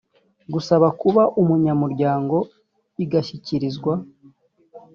gusaba kuba umunyamuryango igashyikirizwa